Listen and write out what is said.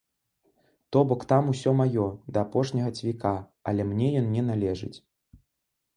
То бок там усё маё, да апошняга цвіка, але мне ён не належыць.